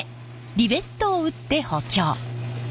リベットを打って補強。